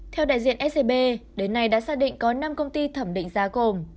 theo đại diện scb đến nay đã xác định có năm công ty thẩm định giá gồm